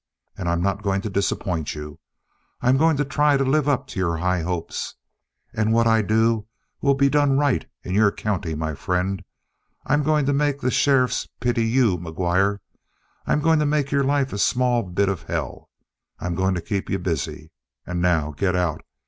And I'm not going to disappoint you. I'm going to try to live up to your high hopes. And what I do will be done right in your county, my friend. I'm going to make the sheriffs pity you, McGuire. I'm going to make your life a small bit of hell. I'm going to keep you busy. And now get out!